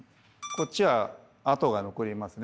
こっちは跡が残りますね。